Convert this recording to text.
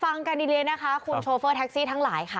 ฟังกันดีนะคะคุณโชเฟอร์แท็กซี่ทั้งหลายค่ะ